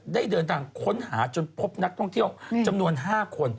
ได้เดินทางค้นหาจนพบนักท่องเที่ยวจำนวน๕คน